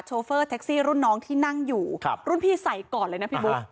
โฟเฟอร์แท็กซี่รุ่นน้องที่นั่งอยู่รุ่นพี่ใส่ก่อนเลยนะพี่บุ๊ค